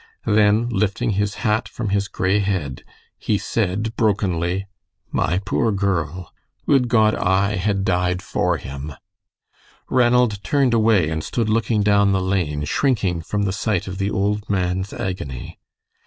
Then, lifting his hat from his gray head, he said, brokenly: "My poor girl! Would God I had died for him." Ranald turned away and stood looking down the lane, shrinking from the sight of the old man's agony.